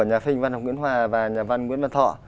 của nhà phim văn hồng nguyễn hòa và nhà văn nguyễn văn thọ